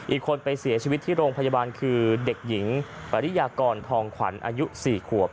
อีกคนไปเสียชีวิตที่โรงพยาบาลคือเด็กหญิงปริยากรทองขวัญอายุ๔ขวบ